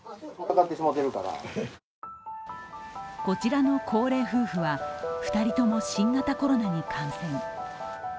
こちらの高齢夫婦は、２人とも新型コロナに感染。